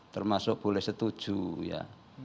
termasuk boleh setuju ya